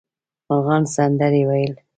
مرغان سندرې ویل.